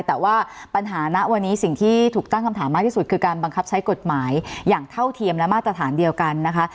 แต่ว่าปัญหาณวันนี้สิ่งที่ถูกตั้งคำถามมากที่สุดคือการบังคับใช้กฎหมายอย่างเท่าเทียมและมาตรฐานเดียวกันนะคะ